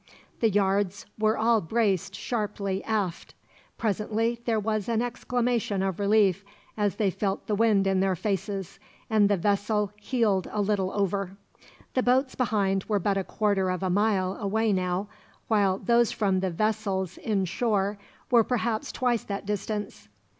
The yards were all braced sharply aft. Presently there was an exclamation of relief, as they felt the wind in their faces, and the vessel heeled a little over. The boats behind were but a quarter of a mile away now, while those from the vessels inshore were perhaps twice that distance.